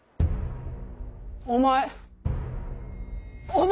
お前！